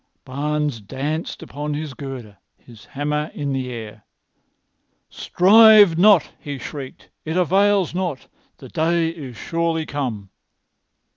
Barnes danced upon his girder, his hammer in the air. "Strive not!" he shrieked. "It avails not. The day is surely come."